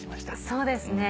そうですね。